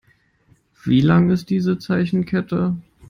Wie lang ist diese Zeichenkette?